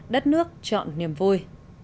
đất nước chọn niềm vui